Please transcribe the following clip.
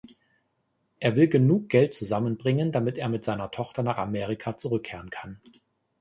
Er will genug Geld zusammenbringen, damit er mit seiner Tochter nach Amerika zurückkehren kann.